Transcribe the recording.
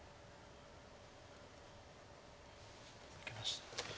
負けました。